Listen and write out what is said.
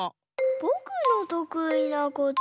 ぼくのとくいなことは。